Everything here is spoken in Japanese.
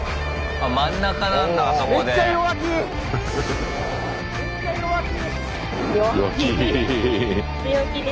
あっ真ん中なんだあそこで。